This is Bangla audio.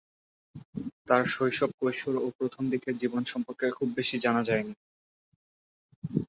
তার শৈশব কৈশোর ও প্রথমদিকের জীবন সম্পর্কে খুব বেশি জানা যায়নি।